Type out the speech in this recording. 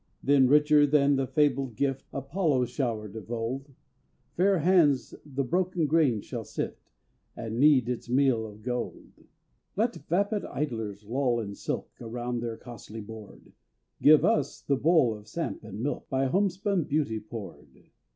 Then, richer than the fabled gift Apollo showered of old, Fair hands the broken grain shall sift, And knead its meal of gold. Let vapid idlers loll in silk, Around their costly board; Give us the bowl of samp and milk, By homespun beauty poured!